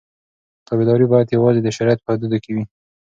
تابعداري باید یوازې د شریعت په حدودو کې وي.